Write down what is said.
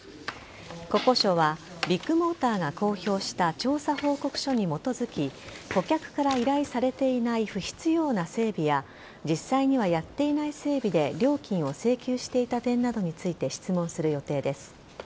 国交省はビッグモーターが公表した調査報告書に基づき顧客から依頼されていない不必要な整備や実際にはやっていない整備で料金を請求していた点などについて質問する予定です。